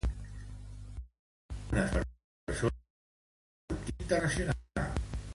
Algunes persones van obtindre triomfs internacionals.